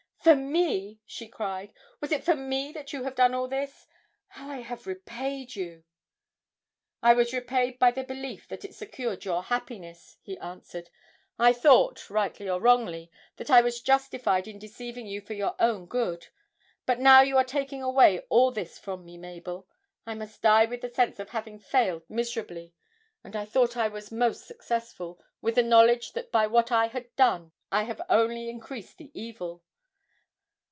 'For me!' she cried, 'was it for me you have done all this? How I have repaid you!' 'I was repaid by the belief that it secured your happiness,' he answered. 'I thought, rightly or wrongly, that I was justified in deceiving you for your own good. But now you are taking away all this from me, Mabel! I must die with the sense of having failed miserably, when I thought I was most successful, with the knowledge that by what I have done I have only increased the evil!